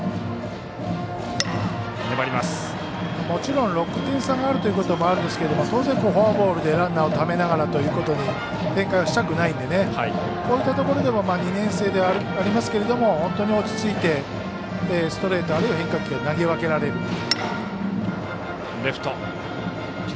もちろん６点差があるということもありますけど当然、フォアボールでランナーをためながらという展開はしたくないのでこういったところでも２年生でありますけれども本当に落ちついてストレート、あるいは変化球を投げ分けられる。